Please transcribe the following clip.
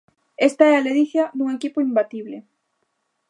Esta é a ledicia dun equipo imbatible.